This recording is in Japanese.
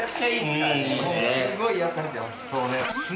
すごい癒やされてます。